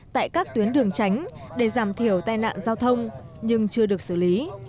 tại các tuyến đường tránh để giảm thiểu tai nạn giao thông nhưng chưa được xử lý